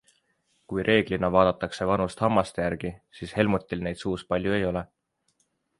Kui reeglina vaadatakse vanust hammaste järgi, siis Helmutil neid suus palju ei ole.